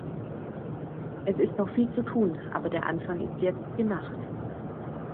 Es ist noch viel zu tun, aber der Anfang ist jetzt gemacht.